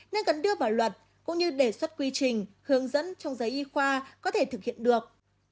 nên cần đưa vào luật cũng như đề xuất quy trình hướng dẫn trong giấy y khoa có thể thực hiện được